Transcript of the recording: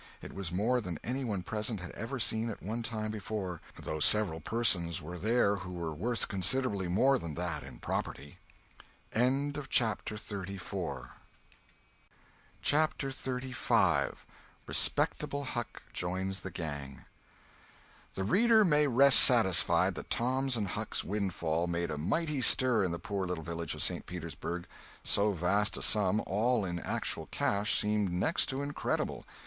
It was more than any one present had ever seen at one time before, though several persons were there who were worth considerably more than that in property. CHAPTER XXXV THE reader may rest satisfied that Tom's and Huck's windfall made a mighty stir in the poor little village of St. Petersburg. So vast a sum, all in actual cash, seemed next to incredible.